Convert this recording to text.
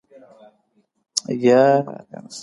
دغه ورځ هم راورسېدله.